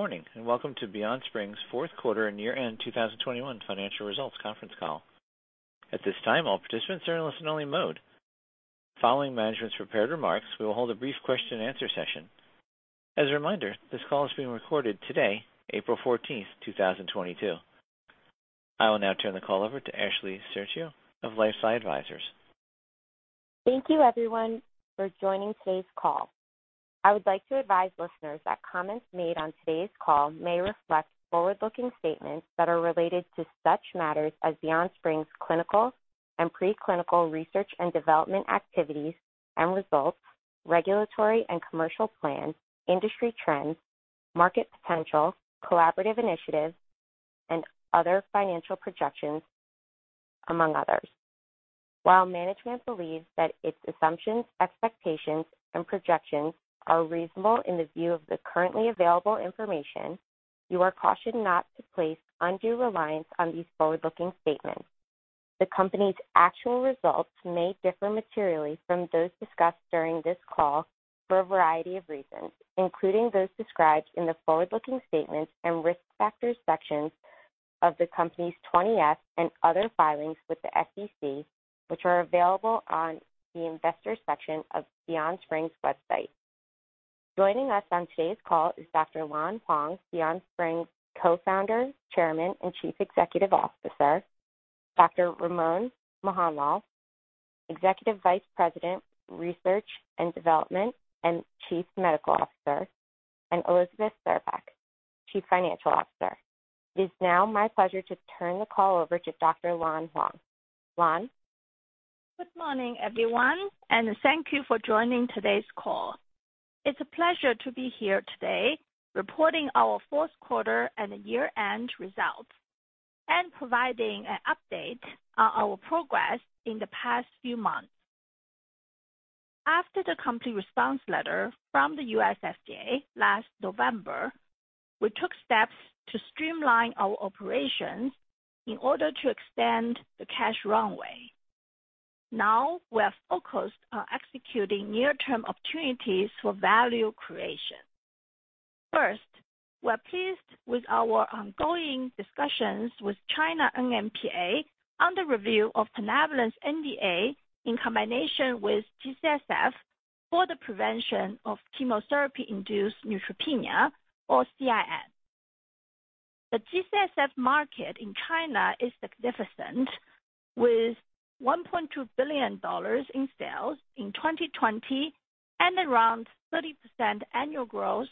Good morning and welcome to BeyondSpring's fourth quarter and year-end 2021 financial results conference call. At this time, all participants are in listen-only mode. Following management's prepared remarks, we will hold a brief question and answer session. As a reminder, this call is being recorded today, April 14, 2022. I will now turn the call over to Ashley Cerchio of LifeSci Advisors. Thank you everyone for joining today's call. I would like to advise listeners that comments made on today's call may reflect forward-looking statements that are related to such matters as BeyondSpring's clinical and pre-clinical research and development activities and results, regulatory and commercial plans, industry trends, market potential, collaborative initiatives, and other financial projections, among others. While management believes that its assumptions, expectations, and projections are reasonable in the view of the currently available information, you are cautioned not to place undue reliance on these forward-looking statements. The company's actual results may differ materially from those discussed during this call for a variety of reasons, including those described in the forward-looking statements and risk factors sections of the company's Form 20-F and other filings with the SEC, which are available on the investor section of BeyondSpring's website. Joining us on today's call is Dr.Lan Huang, BeyondSpring's Co-founder, Chairman, and Chief Executive Officer, Dr. Ramon Mohanlal, Executive Vice President, Research and Development, and Chief Medical Officer, and Elizabeth Czerepak, Chief Financial Officer. It is now my pleasure to turn the call over to Dr. Lan Huang. Lan? Good morning everyone and thank you for joining today's call. It's a pleasure to be here today, reporting our fourth quarter and year-end results and providing an update on our progress in the past few months. After the company response letter from the U.S. FDA last November, we took steps to streamline our operations in order to extend the cash runway. Now we are focused on executing near-term opportunities for value creation. First, we're pleased with our ongoing discussions with China's NMPA on the review of Plinabulin's NDA in combination with G-CSF for the prevention of chemotherapy-induced neutropenia or CIN. The G-CSF market in China is significant, with $1.2 billion in sales in 2020 and around 30% annual growth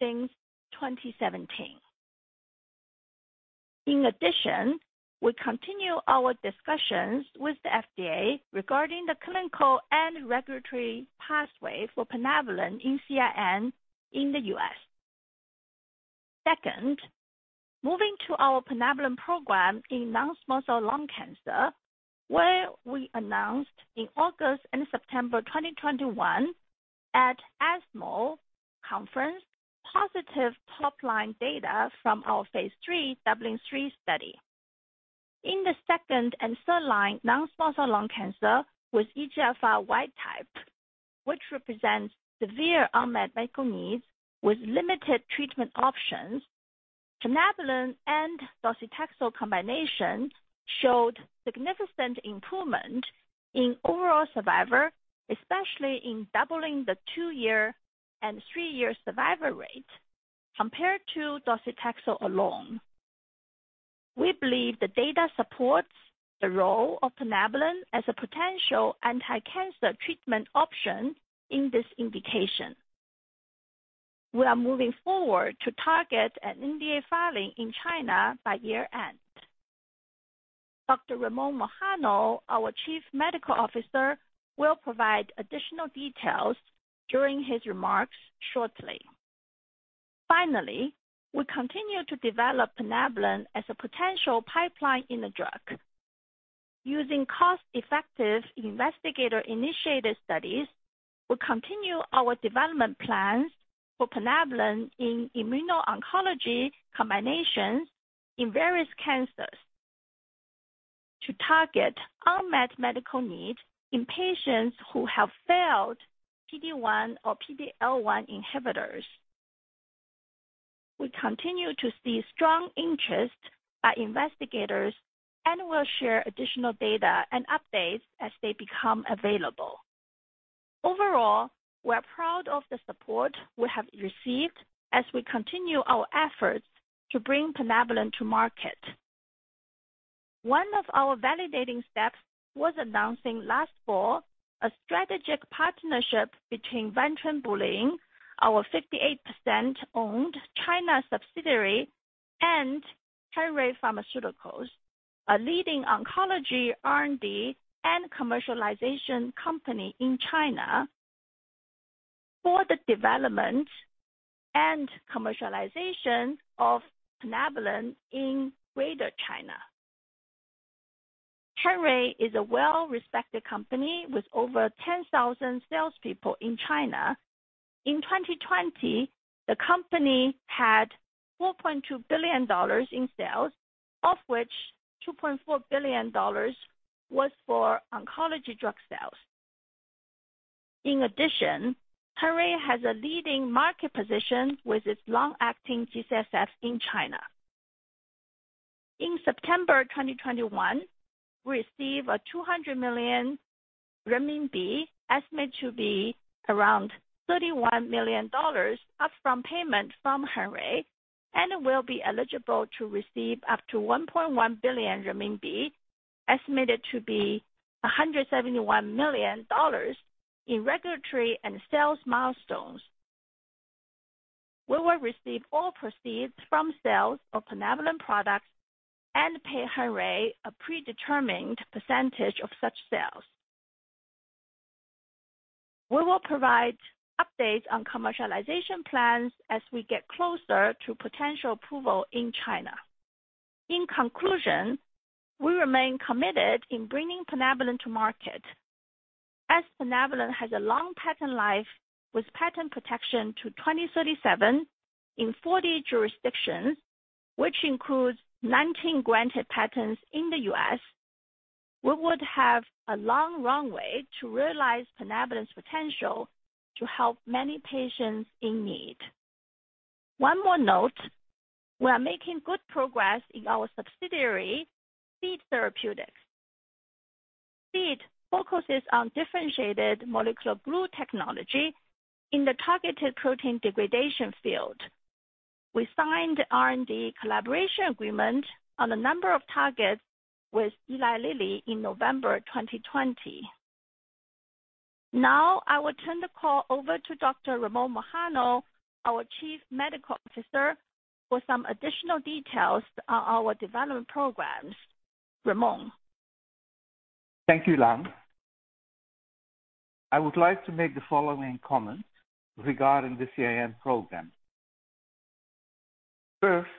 since 2017. In addition, we continue our discussions with the FDA regarding the clinical and regulatory pathway for Plinabulin in CIN in the U.S. Second, moving to our Plinabulin program in non-small cell lung cancer, where we announced in August and September 2021 at ESMO Conference, positive top-line data from our phase III DUBLIN-3 study. In the second- and third-line non-small cell lung cancer with EGFR wild type, which represents severe unmet medical needs with limited treatment options, Plinabulin and docetaxel combination showed significant improvement in overall survival, especially in doubling the 2-year and 3-year survival rate compared to docetaxel alone. We believe the data supports the role of Plinabulin as a potential anti-cancer treatment option in this indication. We are moving forward to target an NDA filing in China by year-end. Dr. Ramon Mohanlal, our Chief Medical Officer, will provide additional details during his remarks shortly. Finally, we continue to develop Plinabulin as a potential pipeline drug. Using cost-effective investigator-initiated studies, we continue our development plans for Plinabulin in immuno-oncology combinations in various cancers to target unmet medical needs in patients who have failed PD-1 or PD-L1 inhibitors. We continue to see strong interest by investigators and will share additional data and updates as they become available. Overall, we're proud of the support we have received as we continue our efforts to bring Plinabulin to market. One of our validating steps was announcing last fall a strategic partnership between Wanchunbulin, our 58% owned China subsidiary, and Hengrui Pharmaceuticals, a leading oncology R&D and commercialization company in China, for the development and commercialization of Plinabulin in Greater China. Hengrui is a well-respected company with over 10,000 salespeople in China. In 2020, the company had $4.2 billion in sales, of which $2.4 billion was for oncology drug sales. In addition, Hengrui has a leading market position with its long-acting G-CSF in China. In September 2021, we received a 200 million renminbi, estimated to be around $31 million upfront payment from Hengrui, and will be eligible to receive up to 1.1 billion RMB, estimated to be $171 million in regulatory and sales milestones. We will receive all proceeds from sales of Plinabulin products and pay Hengrui a predetermined percentage of such sales. We will provide updates on commercialization plans as we get closer to potential approval in China. In conclusion, we remain committed in bringing Plinabulin to market. As Plinabulin has a long patent life with patent protection to 2037 in 40 jurisdictions, which includes 19 granted patents in the U.S., we would have a long runway to realize Plinabulin's potential to help many patients in need. One more note, we are making good progress in our subsidiary, Seed Therapeutics. Seed focuses on differentiated molecular glue technology in the targeted protein degradation field. We signed R&D collaboration agreement on a number of targets with Eli Lilly in November 2020. Now, I will turn the call over to Dr. Ramon Mohanlal, our Chief Medical Officer, for some additional details on our development programs. Ramon. Thank you Lan. I would like to make the following comments regarding the CIN program. First,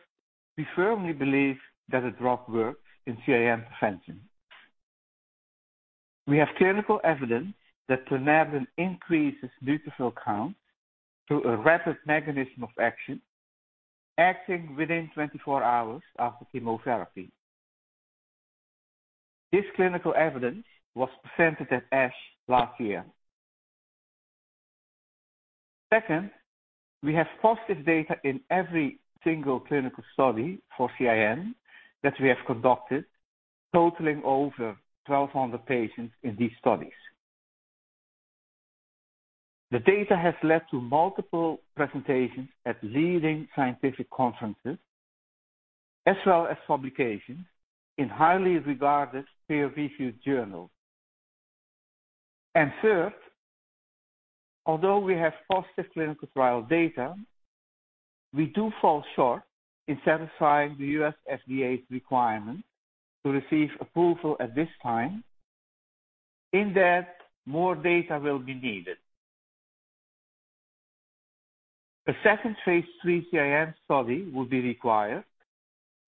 we firmly believe that the drug works in CIN prevention. We have clinical evidence that Plinabulin increases neutrophil count through a rapid mechanism of action, acting within 24 hours after chemotherapy. This clinical evidence was presented at ASH last year. Second, we have positive data in every single clinical study for CIN that we have conducted, totaling over 1,200 patients in these studies. The data has led to multiple presentations at leading scientific conferences as well as publications in highly regarded peer-reviewed journals. Third, although we have positive clinical trial data, we do fall short in satisfying the U.S. FDA's requirement to receive approval at this time. In that, more data will be needed. A second phase III CIN study will be required,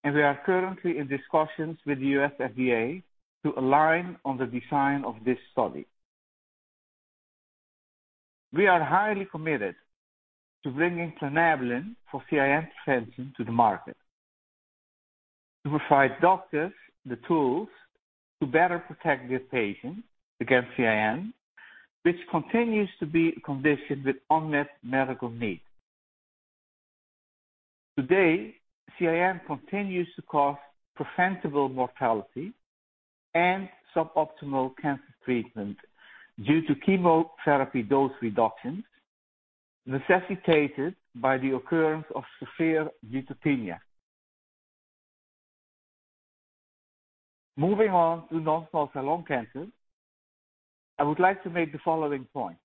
and we are currently in discussions with the U.S. FDA to align on the design of this study. We are highly committed to bringing Plinabulin for CIN prevention to the market to provide doctors the tools to better protect their patients against CIN, which continues to be a condition with unmet medical need. Today, CIN continues to cause preventable mortality and suboptimal cancer treatment due to chemotherapy dose reductions necessitated by the occurrence of severe neutropenia. Moving on to non-small cell lung cancer, I would like to make the following points.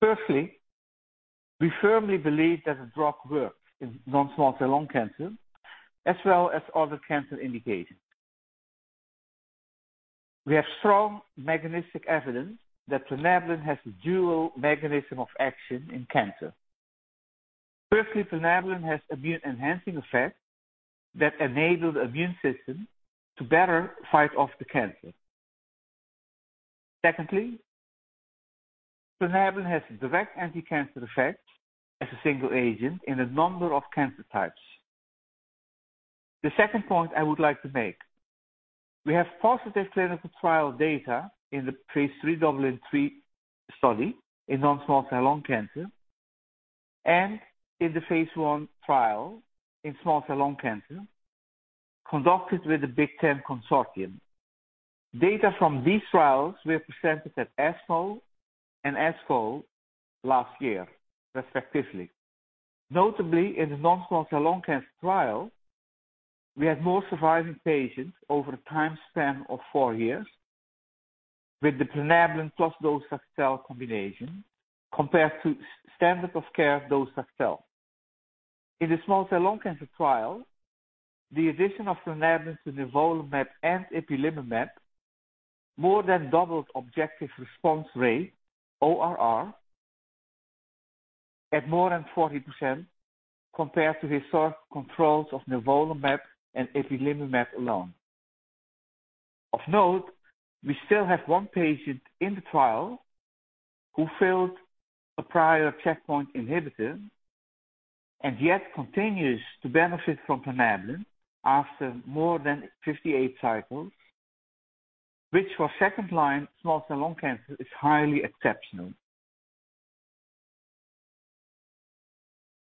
Firstly, we firmly believe that the drug works in non-small cell lung cancer as well as other cancer indications. We have strong mechanistic evidence that Plinabulin has a dual mechanism of action in cancer. Firstly, Plinabulin has immune-enhancing effect that enables the immune system to better fight off the cancer. Secondly, Plinabulin has a direct anticancer effect as a single agent in a number of cancer types. The second point I would like to make, we have positive clinical trial data in the phase III Dublin-3 study in non-small cell lung cancer and in the phase I trial in small cell lung cancer conducted with the Big Ten Consortium. Data from these trials were presented at ESMO and ASCO last year, respectively. Notably, in the non-small cell lung cancer trial, we had more surviving patients over a time span of four years with the Plinabulin plus docetaxel combination compared to standard of care docetaxel. In the small cell lung cancer trial, the addition of Plinabulin to nivolumab and ipilimumab more than doubled objective response rate, ORR, at more than 40% compared to historic controls of nivolumab and ipilimumab alone. Of note, we still have one patient in the trial who failed a prior checkpoint inhibitor. Yet continues to benefit from Plinabulin after more than 58 cycles, which for second-line small cell lung cancer is highly exceptional.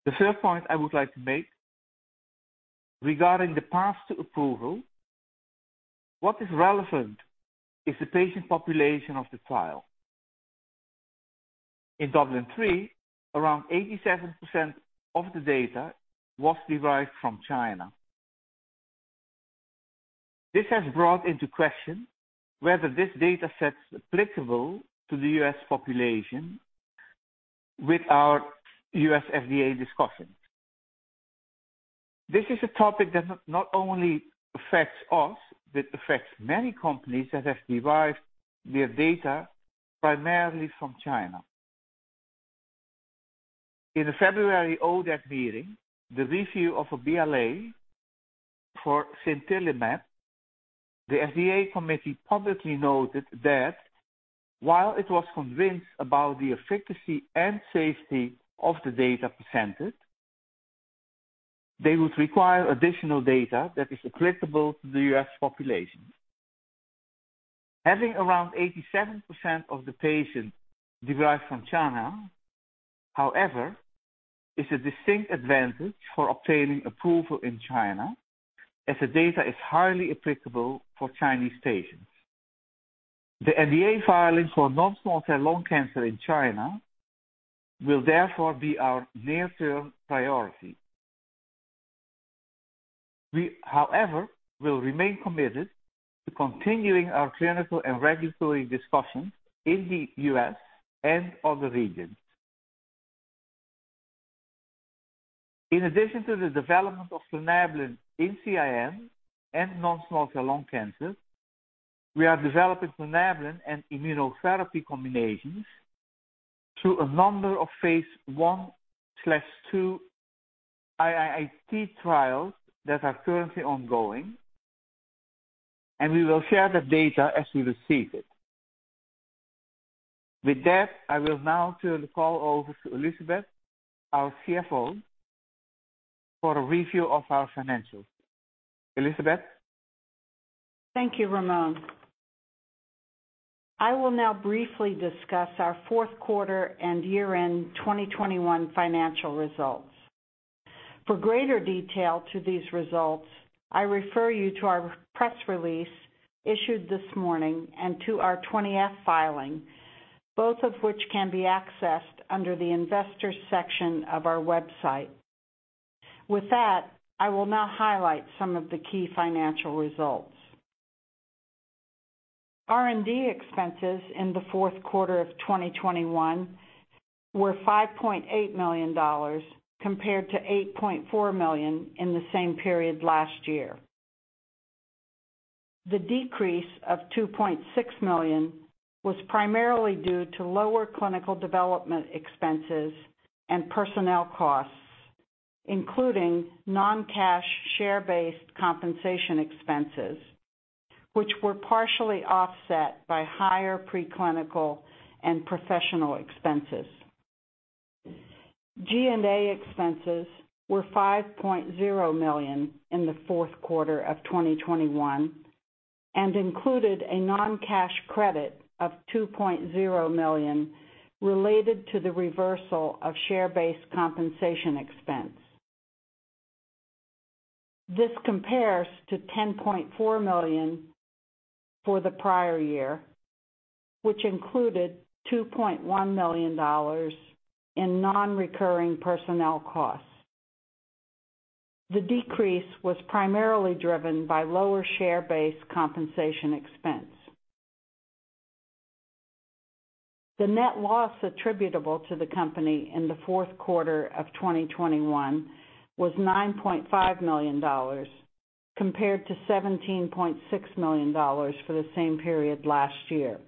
The third point I would like to make regarding the path to approval, what is relevant is the patient population of the trial. In DUBLIN-3, around 87% of the data was derived from China. This has brought into question whether this data set's applicable to the U.S. population without U.S. FDA discussions. This is a topic that not only affects us, but affects many companies that have derived their data primarily from China. In the February ODAC meeting, the review of a BLA for Sintilimab, the FDA committee publicly noted that while it was convinced about the efficacy and safety of the data presented, they would require additional data that is applicable to the U.S. population. Having around 87% of the patients derived from China, however, is a distinct advantage for obtaining approval in China, as the data is highly applicable for Chinese patients. The NDA filing for non-small cell lung cancer in China will therefore be our near-term priority. We, however, will remain committed to continuing our clinical and regulatory discussions in the U.S. and other regions. In addition to the development of Plinabulin in CIN and non-small cell lung cancer, we are developing Plinabulin and immunotherapy combinations through a number of phase I/II-III trials that are currently ongoing, and we will share the data as we receive it. With that, I will now turn the call over to Elizabeth, our CFO, for a review of our financials. Elizabeth? Thank you Ramon. I will now briefly discuss our fourth quarter and year-end 2021 financial results. For greater detail to these results, I refer you to our press release issued this morning and to our Form 20-F filing, both of which can be accessed under the investor section of our website. With that, I will now highlight some of the key financial results. R&D expenses in the fourth quarter of 2021 were $5.8 million compared to $8.4 million in the same period last year. The decrease of $2.6 million was primarily due to lower clinical development expenses and personnel costs, including non-cash share-based compensation expenses, which were partially offset by higher pre-clinical and professional expenses. G&A expenses were $5.0 million in the fourth quarter of 2021, and included a non-cash credit of $2.0 million related to the reversal of share-based compensation expense. This compares to $10.4 million for the prior year, which included $2.1 million in non-recurring personnel costs. The decrease was primarily driven by lower share-based compensation expense. The net loss attributable to the company in the fourth quarter of 2021 was $9.5 million compared to $17.6 million for the same period last year.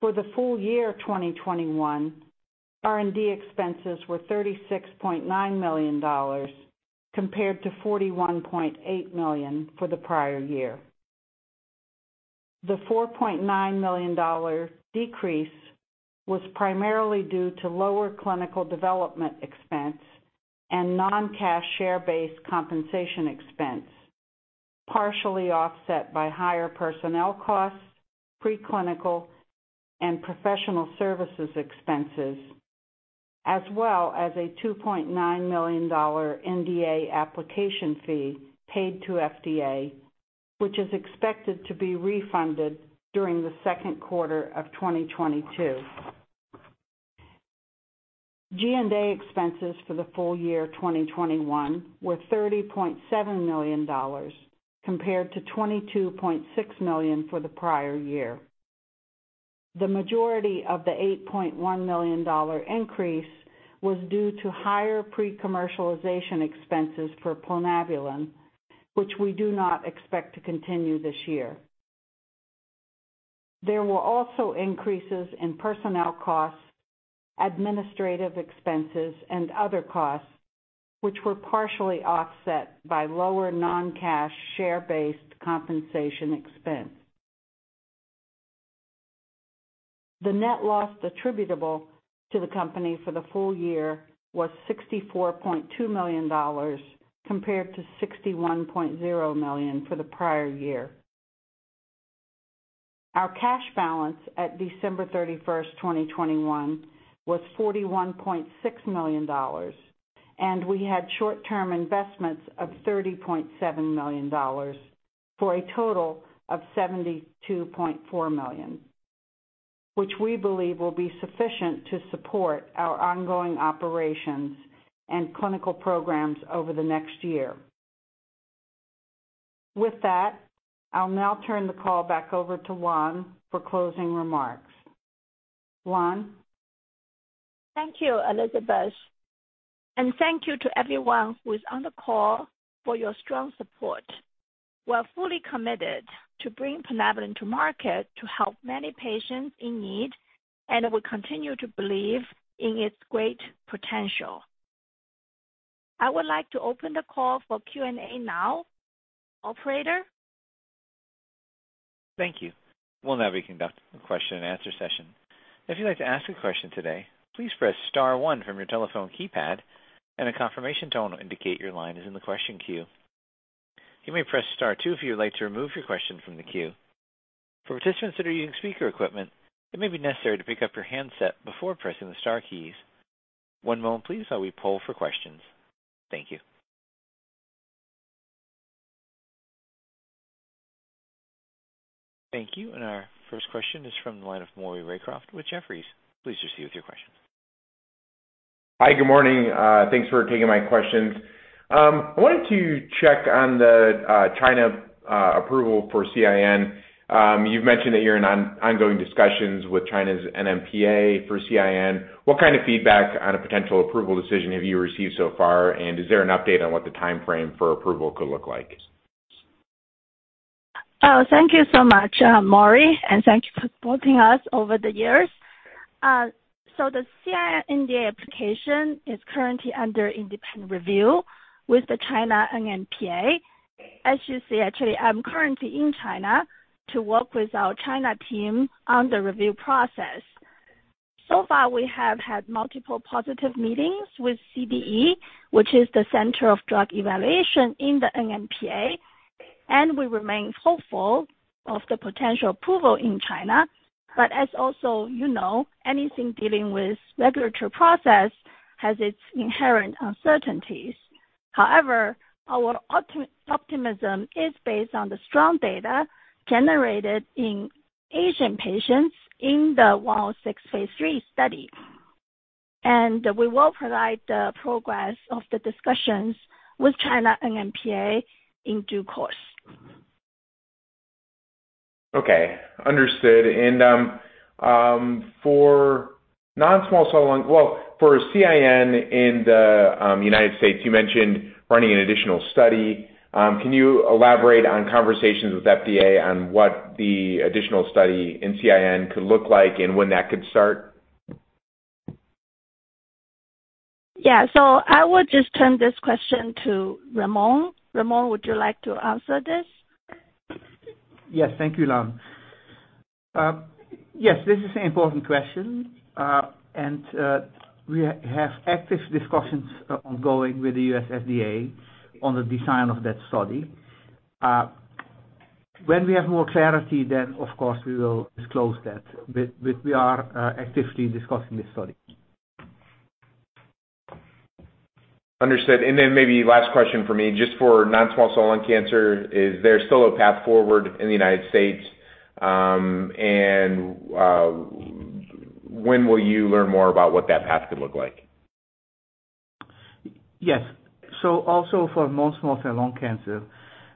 For the full year 2021, R&D expenses were $36.9 million compared to $41.8 million for the prior year. The $4.9 million decrease was primarily due to lower clinical development expense and non-cash share-based compensation expense, partially offset by higher personnel costs, pre-clinical and professional services expenses, as well as a $2.9 million NDA application fee paid to FDA, which is expected to be refunded during the second quarter of 2022. G&A expenses for the full year 2021 were $30.7 million compared to $22.6 million for the prior year. The majority of the $8.1 million increase was due to higher pre-commercialization expenses for Plinabulin, which we do not expect to continue this year. There were also increases in personnel costs, administrative expenses, and other costs, which were partially offset by lower non-cash share-based compensation expense. The net loss attributable to the company for the full year was $64.2 million compared to $61.0 million for the prior year. Our cash balance at December 31st, 2021 was $41.6 million, and we had short-term investments of $30.7 million, for a total of $72.4 million, which we believe will be sufficient to support our ongoing operations and clinical programs over the next year. With that, I'll now turn the call back over to Lan for closing remarks. Lan? Thank you Elizabeth and thank you to everyone who is on the call for your strong support. We are fully committed to bring Plinabulin to market to help many patients in need, and we continue to believe in its great potential. I would like to open the call for Q&A now. Operator? Thank you. We'll now be conducting a question and answer session. If you'd like to ask a question today, please press star one from your telephone keypad and a confirmation tone will indicate your line is in the question queue. You may press star two if you would like to remove your question from the queue. For participants that are using speaker equipment, it may be necessary to pick up your handset before pressing the star keys. One moment please, while we poll for questions. Thank you. Thank you. Our first question is from the line of Maury Raycroft with Jefferies. Please proceed with your question. Hi good morning. Thanks for taking my questions. I wanted to check on the China approval for CIN. You've mentioned that you're in ongoing discussions with China's NMPA for CIN. What kind of feedback on a potential approval decision have you received so far? And is there an update on what the timeframe for approval could look like? Thank you so much Maury and thank you for supporting us over the years. The CIN NDA application is currently under independent review with the China NMPA. As you see, actually, I'm currently in China to work with our China team on the review process. We have had multiple positive meetings with CDE, which is the Center for Drug Evaluation in the NMPA, and we remain hopeful of the potential approval in China. As you also know, anything dealing with regulatory process has its inherent uncertainties. However, our optimism is based on the strong data generated in Asian patients in the 106 phase III study. We will provide the progress of the discussions with China NMPA in due course. Okay. Understood. Well, for CIN in the United States, you mentioned running an additional study. Can you elaborate on conversations with FDA on what the additional study in CIN could look like and when that could start? Yeah. I would just turn this question to Ramon. Ramon, would you like to answer this? Yes. Thank you Lan. Yes, this is an important question. We have active discussions ongoing with the U.S. FDA on the design of that study. When we have more clarity, then of course, we will disclose that. We are actively discussing this study. Understood. Maybe last question for me, just for non-small cell lung cancer, is there still a path forward in the United States? When will you learn more about what that path could look like? Yes. Also for non-small cell lung cancer,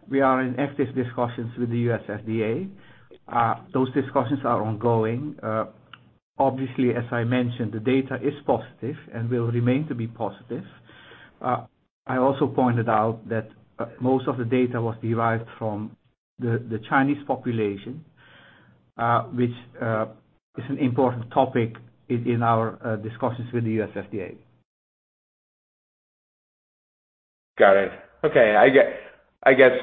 we are in active discussions with the U.S. FDA. Those discussions are ongoing. Obviously, as I mentioned, the data is positive and will remain to be positive. I also pointed out that most of the data was derived from the Chinese population, which is an important topic in our discussions with the U.S. FDA. Got it. Okay. I get, I guess,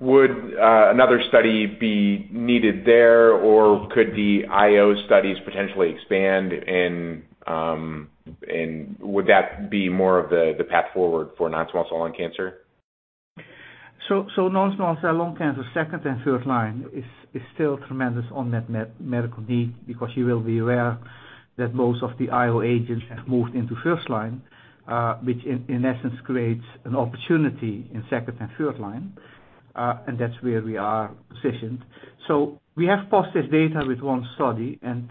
would another study be needed there, or could the IO studies potentially expand and would that be more of the path forward for non-small cell lung cancer? Non-small cell lung cancer, second and third line is still tremendous unmet medical need because you will be aware that most of the IO agents have moved into first line, which in essence creates an opportunity in second and third line. That's where we are positioned. We have positive data with one study, and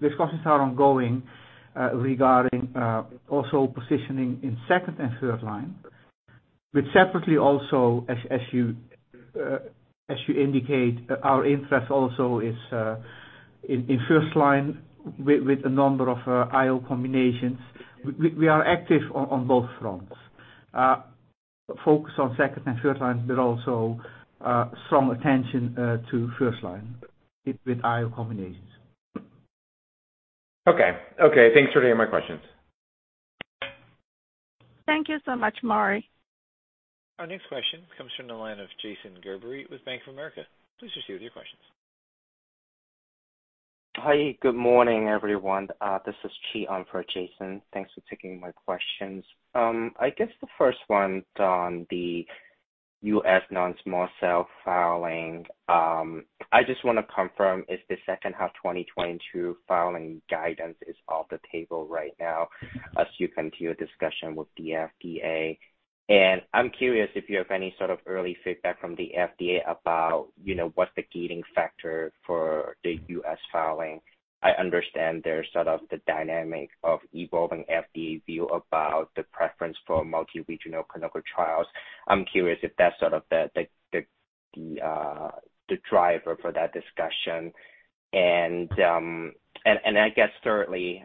discussions are ongoing regarding also positioning in second and third line. Separately also as you indicate, our interest also is in first line with a number of IO combinations. We are active on both fronts. Focus on second and third line, but also strong attention to first line with IO combinations. Okay. Thanks for taking my questions. Thank you so much Maury. Our next question comes from the line of Jason Gerberry with Bank of America. Please proceed with your questions. Hi good morning everyone. This is Chi on for Jason. Thanks for taking my questions. I guess the first one's on the U.S. non-small cell filing. I just want to confirm if the second half 2022 filing guidance is off the table right now as you continue discussion with the FDA. I'm curious if you have any sort of early feedback from the FDA about, you know, what's the gating factor for the U.S. filing. I understand there's sort of the dynamic of evolving FDA view about the preference for multi-regional clinical trials. I'm curious if that's sort of the driver for that discussion. I guess certainly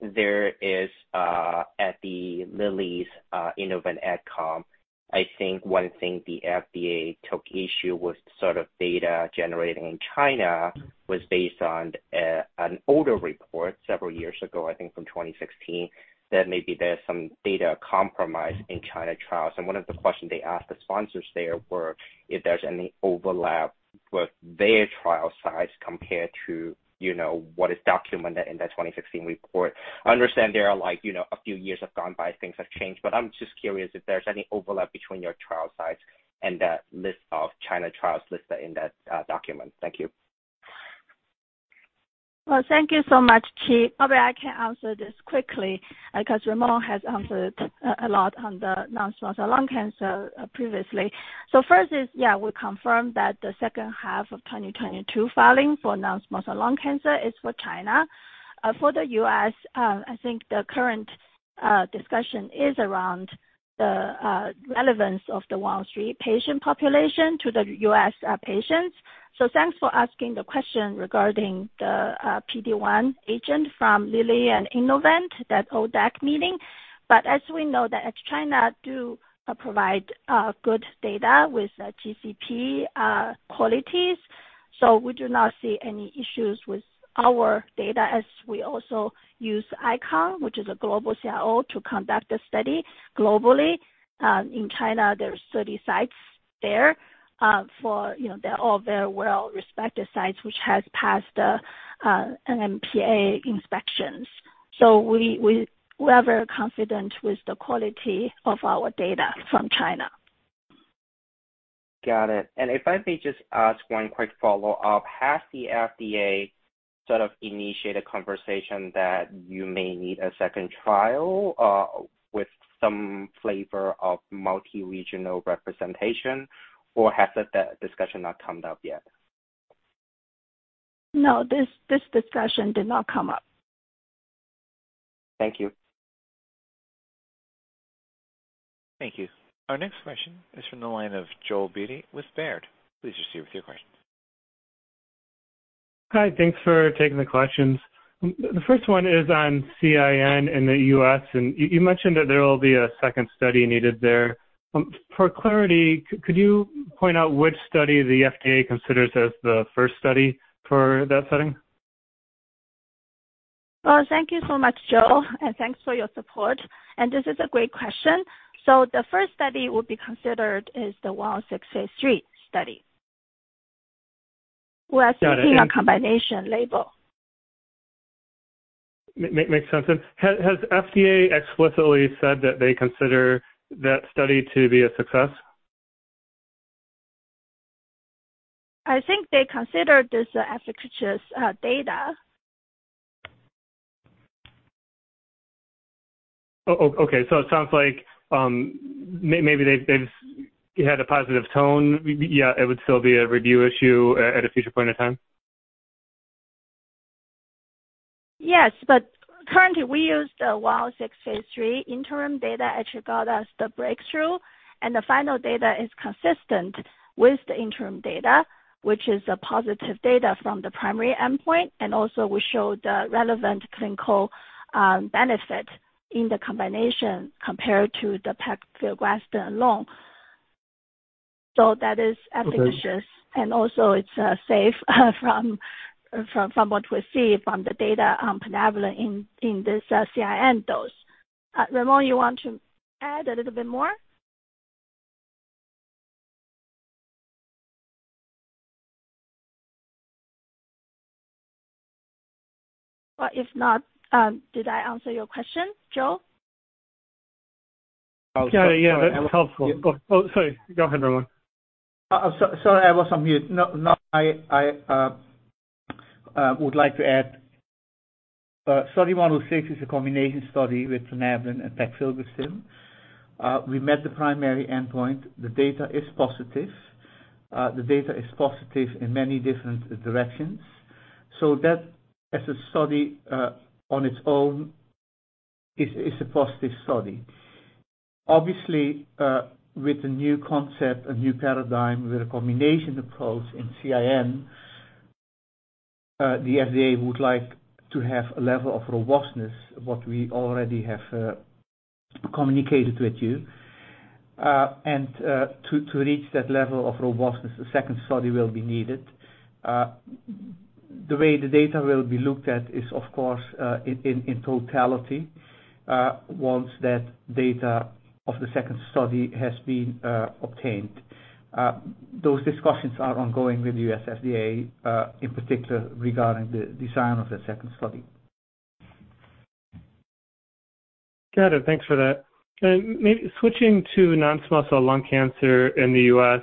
there is at Lilly's Innovent adcom, I think one thing the FDA took issue with sort of data generated in China was based on an older report several years ago, I think from 2016, that maybe there's some data compromise in China trials. One of the questions they asked the sponsors there were if there's any overlap with their trial sites compared to, you know, what is documented in the 2016 report. I understand there are like, you know, a few years have gone by, things have changed, but I'm just curious if there's any overlap between your trial sites and that list of China trials listed in that document. Thank you. Well, thank you so much, Chi. Maybe I can answer this quickly because Ramon has answered a lot on the non-small cell lung cancer previously. First is, yeah, we confirm that the second half of 2022 filing for non-small cell lung cancer is for China. For the U.S., I think the current discussion is around the relevance of the overall patient population to the U.S. patients. Thanks for asking the question regarding the PD-1 agent from Lilly and Innovent, that ODAC meeting. As we know that China do provide good data with GCP qualities, so we do not see any issues with our data as we also use ICON, which is a global CRO, to conduct the study globally. In China, there are study sites there for you know. They're all very well-respected sites, which has passed NMPA inspections. We are very confident with the quality of our data from China. Got it. If I may just ask one quick follow-up. Has the FDA sort of initiated conversation that you may need a second trial with some flavor of multi-regional representation, or has that discussion not come up yet? No, this discussion did not come up. Thank you. Thank you. Our next question is from the line of Joel Beatty with Baird. Please proceed with your question. Hi. Thanks for taking the questions. The first one is on CIN in the U.S., and you mentioned that there will be a second study needed there. For clarity, could you point out which study the FDA considers as the first study for that setting? Well, thank you so much Joel, and thanks for your support. This is a great question. The first study we'll consider is the 106 phase III study. Got it. We're seeking a combination label. Makes sense. Has FDA explicitly said that they consider that study to be a success? I think they consider this efficacious data. Okay. It sounds like maybe they've had a positive tone. Yeah, it would still be a review issue at a future point of time? Yes, but currently, we use the 106 phase III interim data attribute as the breakthrough, and the final data is consistent with the interim data, which is the positive data from the primary endpoint. We show the relevant clinical benefit in the combination compared to the paclitaxel alone. That is efficacious. Okay. Also, it's safe from what we see from the data, Plinabulin in this CIN dose. Ramon, you want to add a little bit more? If not, did I answer your question, Joel? Yeah. Yeah, that's helpful. I was- Oh, sorry. Go ahead, Ramon. Sorry, I was on mute. No, I would like to add, Study 106 is a combination study with Plinabulin and paclitaxel. We met the primary endpoint. The data is positive. The data is positive in many different directions. That as a study, on its own is a positive study. Obviously, with the new concept, a new paradigm with a combination approach in CIN, the FDA would like to have a level of robustness, what we already have communicated with you. To reach that level of robustness, the second study will be needed. The way the data will be looked at is, of course, in totality, once that data of the second study has been obtained. Those discussions are ongoing with the U.S. FDA, in particular regarding the design of the second study. Got it. Thanks for that. Maybe switching to non-small cell lung cancer in the U.S.,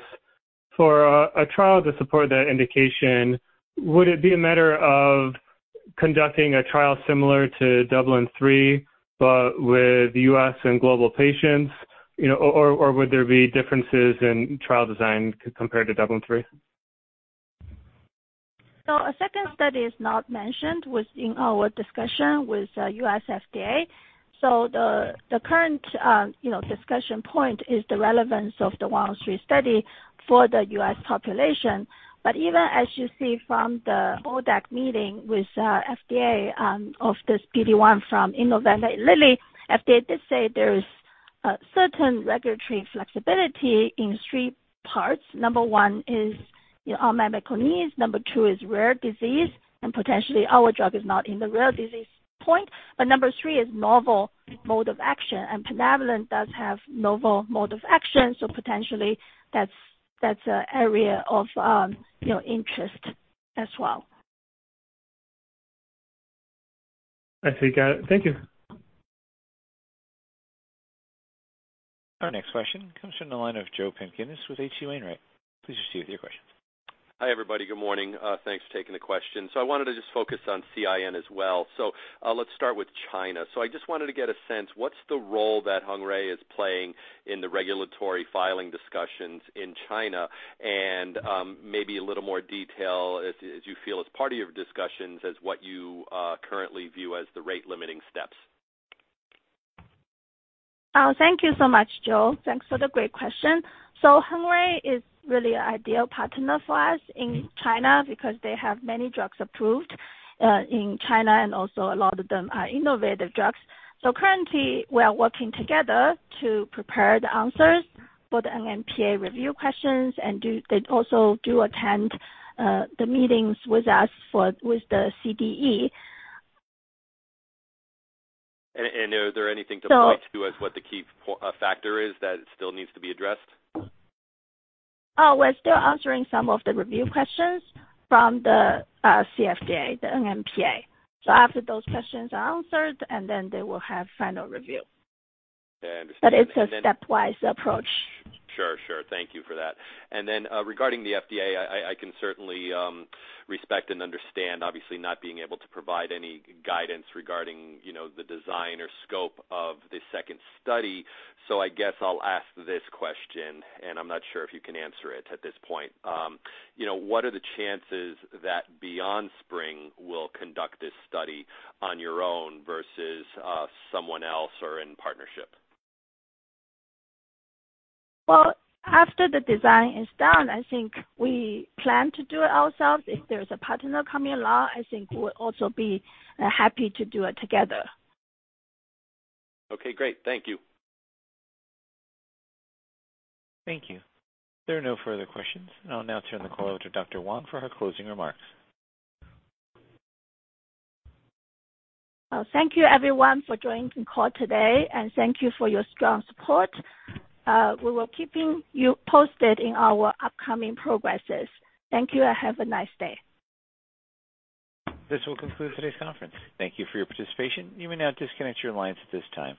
for a trial to support that indication, would it be a matter of conducting a trial similar to DUBLIN-3, but with U.S. and global patients, you know, or would there be differences in trial design compared to DUBLIN-3? A second study is not mentioned within our discussion with U.S. FDA. The current discussion point is the relevance of the 1-2 study for the U.S. population. Even as you see from the ODAC meeting with FDA of this PD-1 from Innovent and Lilly, FDA did say there is a certain regulatory flexibility in three parts. Number one is, you know, all malignancies. Number two is rare disease, and potentially our drug is not in the rare disease point. Number three is novel mode of action, and Plinabulin does have novel mode of action, so potentially that's an area of, you know, interest as well. I see. Got it. Thank you. Our next question comes from the line of Joseph Pantginis with H.C. Wainwright. Please proceed with your question. Hi everybody. Good morning. Thanks for taking the question. I wanted to just focus on CIN as well. Let's start with China. I just wanted to get a sense, what's the role that Hengrui is playing in the regulatory filing discussions in China? Maybe a little more detail as you feel is part of your discussions as what you currently view as the rate limiting steps. Oh, thank you so much Joe. Thanks for the great question. Hengrui is really an ideal partner for us in China because they have many drugs approved in China, and also a lot of them are innovative drugs. Currently, we are working together to prepare the answers for the NMPA review questions and they also do attend the meetings with us with the CDE. Are there anything to point to as what the key factor is that still needs to be addressed? Oh, we're still answering some of the review questions from the CFDA, the NMPA. After those questions are answered and then they will have final review. Yeah. I understand. It's a stepwise approach. Sure, sure. Thank you for that. Then, regarding the FDA, I can certainly respect and understand, obviously not being able to provide any guidance regarding, you know, the design or scope of the second study. I guess I'll ask this question, and I'm not sure if you can answer it at this point. You know, what are the chances that BeyondSpring will conduct this study on your own versus someone else or in partnership? Well, after the design is done, I think we plan to do it ourselves. If there's a partner coming along, I think we'll also be happy to do it together. Okay great. Thank you. Thank you. There are no further questions. I'll now turn the call over to Dr. Huang for her closing remarks. Oh, thank you everyone for joining the call today, and thank you for your strong support. We will keep you posted on our upcoming progress. Thank you, and have a nice day. This will conclude today's conference. Thank you for your participation. You may now disconnect your lines at this time.